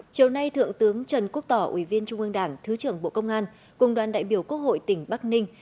chiều nay thượng tướng trần quốc tỏ ủy viên trung ương đảng thứ trưởng bộ công an cùng đoàn đại biểu quốc hội tỉnh bắc ninh